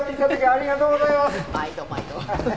ありがとうございます。